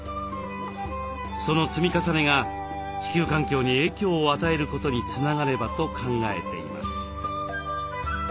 その積み重ねが地球環境に影響を与えることにつながればと考えています。